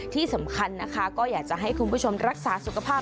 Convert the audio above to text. ที่สำคัญนะคะก็อยากจะให้คุณผู้ชมรักษาสุขภาพ